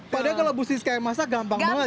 padahal kalau bu siska yang masak gampang banget ya